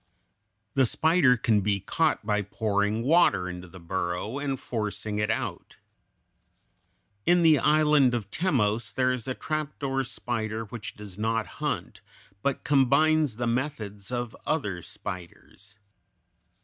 The spider can be caught by pouring water into the burrow and forcing it out. In the island of Timos there is a trapdoor spider which does not hunt, but combines the methods of other spiders.